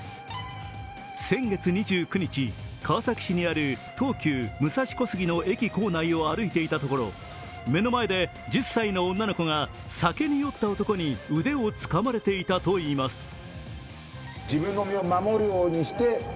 先月２９日、川崎市にある東急・武蔵小杉の駅を歩いていたところ、目の前で１０歳の女の子が酒に酔った男に腕をつかまれていたといいます。